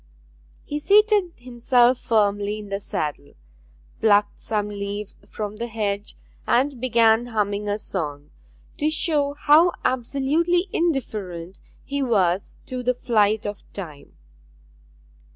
He seated himself firmly in the saddle, plucked some leaves from the hedge, and began humming a song, to show how absolutely indifferent he was to the flight of time.